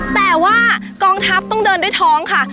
แต่ว่ากองทัพต้องเดินด้วยท้องค่ะ